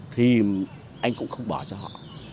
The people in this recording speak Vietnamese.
thì anh cũng không bỏ cho họ